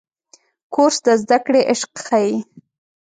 کورس د زده کړې عشق ښيي.